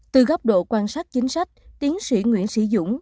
từ góc độ quan sát chính sách tiến sĩ nguyễn sĩ dũng